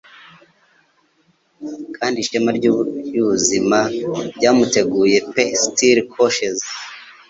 Kandi Ishema ryubuzima ryamuteguye pe stilly couches we.